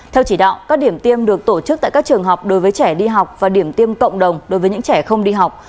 theo chỉ đạo các điểm tiêm được tổ chức tại các trường học đối với trẻ đi học và điểm tiêm cộng đồng đối với những trẻ không đi học